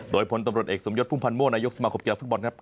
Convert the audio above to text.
โดยพลตำรวจเอกสมยศพุ่มพันธ์โมนายกสมาคมกีฬาฟุตบอลครับ